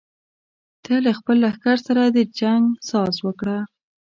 ته له خپل لښکر سره د جنګ ساز وکړه.